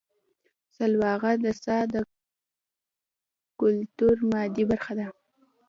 سلواغه او څا د کولتور مادي برخه ده